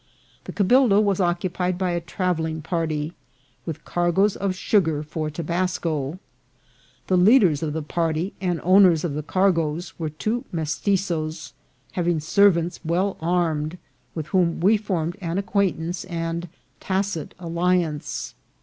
The cabildo was occu pied by a travelling party, with cargoes of sugar for To basco. The leaders of the party and owners of the car goes were two Mestitzoes, having servants well armed, with whom we formed an acquaintance and tacit alli ance.